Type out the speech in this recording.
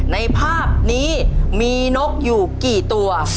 ในภาพนี้มีนกอยู่กี่ตัว